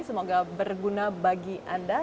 semoga berguna bagi anda